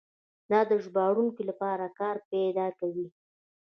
دا د ژباړونکو لپاره کار پیدا کوي.